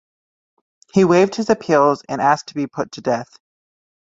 He waived his appeals and asked to be put to death.